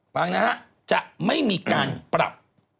ฟังนะฮะจะไม่มีการปรับ